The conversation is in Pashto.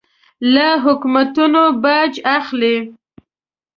له حکومتونو باج اخلي.